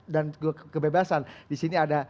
dan kebebasan disini ada